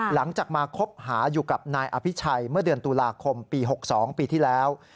หลังจากมาคบหาอยู่กับนายอภิชัยเมื่อเดือนตุลาคมปี๖๒ปีที่แล้ว